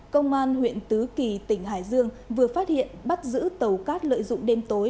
công an huyện tứ kỳ tỉnh hải dương vừa phát hiện bắt giữ tàu cát lợi dụng đêm tối